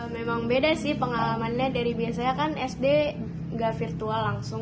memang beda sih pengalamannya dari biasanya kan sd nggak virtual langsung